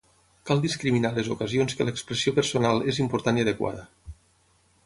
Cal discriminar les ocasions que l'expressió personal és important i adequada.